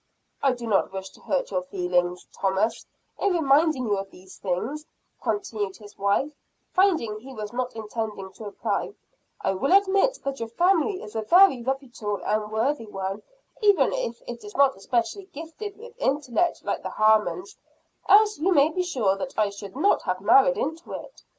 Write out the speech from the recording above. "I do not wish to hurt your feelings, Thomas, in reminding you of these things," continued his wife, finding he was not intending to reply; "I will admit that your family is a very reputable and worthy one, even if it is not especially gifted with intellect like the Harmons, else you may be sure that I should not have married into it.